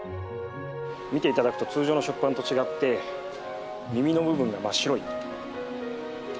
見て頂くと通常の食パンと違って耳の部分が真っ白い。